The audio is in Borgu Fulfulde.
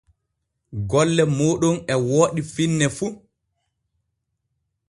Golle mooɗon e wooɗi finne fu.